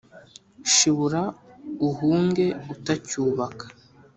shibura uhunge uta cyubaka,